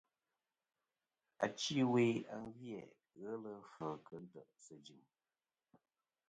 Achi ɨwe gvi-a ghelɨ fvɨ kɨ nte ̀sɨ jɨm.